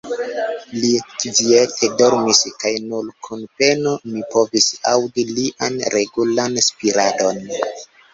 Li kviete dormis kaj nur kun peno mi povsi aŭdi lian regulan spiradon.